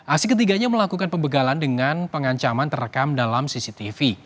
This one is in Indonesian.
aksi ketiganya melakukan pembegalan dengan pengancaman terekam dalam cctv